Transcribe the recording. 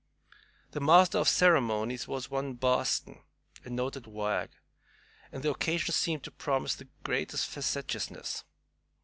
The master of ceremonies was one "Boston," a noted wag, and the occasion seemed to promise the greatest facetiousness.